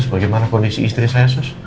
sus bagaimana kondisi istri saya sus